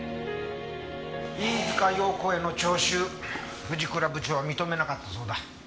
飯塚遥子への聴取藤倉部長は認めなかったそうだ。